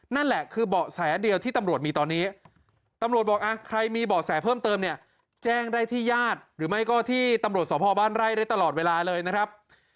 นั่นแหละคือเบาะแสเดียวที่ตำรวจมีตอนนี้ตำรวจบอกใครมีเบาะแสเพิ่มเติมเนี่ยแจ้งได้ที่ญาติหรือไม่ก็ที่ตำรวจสพบ้านไร่ได้ตลอดเวลาเลยนะครับ